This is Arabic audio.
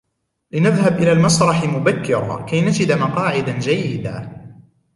لنذهب إلى المسرح مبكرا كي نجد مقاعدا جيدة.